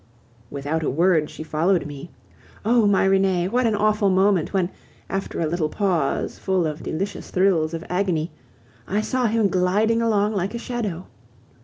Without a word, she followed me. Oh! my Renee, what an awful moment when, after a little pause full of delicious thrills of agony, I saw him gliding along like a shadow.